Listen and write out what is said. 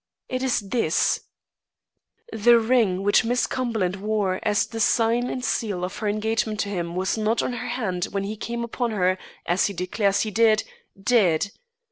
It is this: "The ring which Miss Cumberland wore as the sign and seal of her engagement to him was not on her hand when he came upon her, as he declares he did, dead.